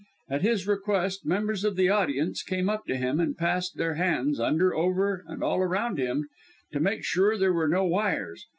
At his request members of the audience came up to him, and passed their hands under, over and all around him, to make sure there were no wires.